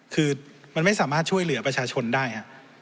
คือมันไม่สามารถช่วยเหลือประชาชนได้ฮะ